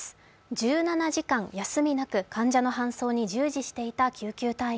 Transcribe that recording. １７時間休みなく患者の搬送に従事していた救急隊員。